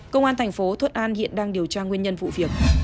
công an thành phố thuận an hiện đang điều tra nguyên nhân vụ việc